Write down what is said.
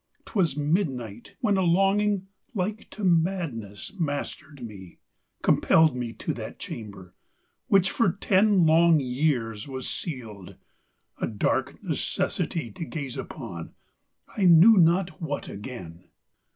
'Twas midnight when A longing, like to madness, mastered me, Compelled me to that chamber, which for ten Long years was sealed: a dark necessity To gaze upon I knew not what again.